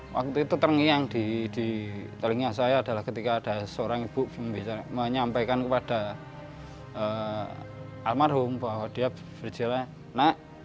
waktu itu terngiang di telinga saya adalah ketika ada seorang ibu menyampaikan kepada almarhum bahwa dia berjalan nak